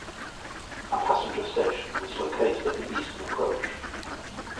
A passenger station was located at the eastern approach.